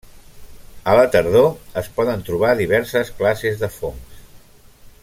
A la tardor es poden trobar diverses classes de fongs.